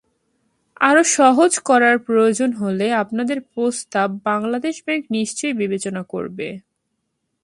আরও সহজ করার প্রয়োজন হলে আপনাদের প্রস্তাব বাংলাদেশ ব্যাংক নিশ্চয়ই বিবেচনা করবে।